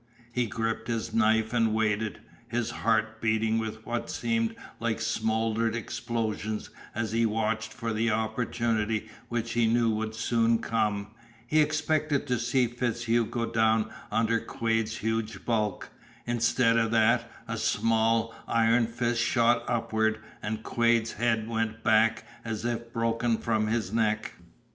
He gripped his knife and waited, his heart beating with what seemed like smothered explosions as he watched for the opportunity which he knew would soon come. He expected to see FitzHugh go down under Quade's huge bulk. Instead of that, a small, iron fist shot upward and Quade's head went back as if broken from his neck.